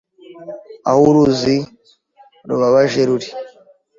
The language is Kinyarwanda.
Aho uruzi rubabaje ruri